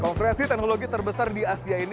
konferensi teknologi terbesar di asia ini